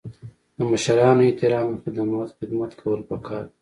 د مشرانو احترام او خدمت کول پکار دي.